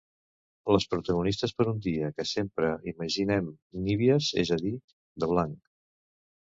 Les protagonistes per un dia que sempre imaginem nívies, és a dir, de blanc.